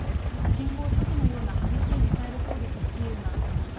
侵攻初期のような激しいミサイル攻撃、キーウが受けました。